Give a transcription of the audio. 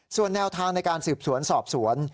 ส่วนแนวทางในการสืบสวนสอบสวน